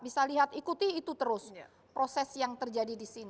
bisa lihat ikuti itu terus proses yang terjadi di sini